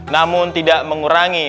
namun tidak mengurangi